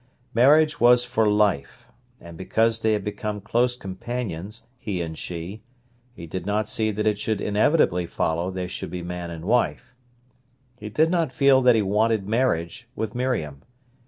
Marriage was for life, and because they had become close companions, he and she, he did not see that it should inevitably follow they should be man and wife. He did not feel that he wanted marriage with Miriam.